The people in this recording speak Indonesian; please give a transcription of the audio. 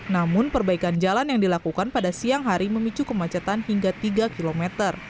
namun perbaikan jalan yang dilakukan pada siang hari memicu kemacetan hingga tiga km